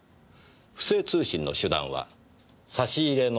不正通信の手段は差し入れの本。